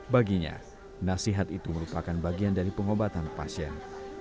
baginya nasihat itu merupakan bagian dari pengobatan pasien